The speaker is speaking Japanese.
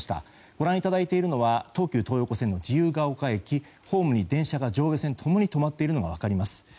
ご覧いただいているのは東急東横線の自由が丘駅ホームに電車が、上下線ともに止まっているのが分かります。